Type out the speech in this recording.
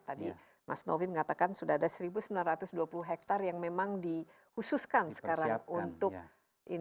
tadi mas novi mengatakan sudah ada seribu sembilan ratus dua puluh hektare yang memang dihususkan sekarang untuk ini